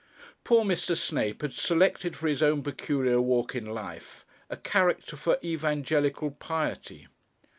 Poor Mr. Snape had selected for his own peculiar walk in life a character for evangelical piety.